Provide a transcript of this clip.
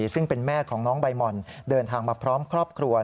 ซึ่งเป็นแม่ของน้องใบหม่อนเดินทางมาพร้อมครอบครัว